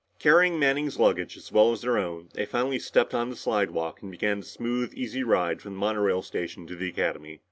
Carrying Manning's luggage as well as their own, they finally stepped on the slidewalk and began the smooth easy ride from the monorail station to the Academy.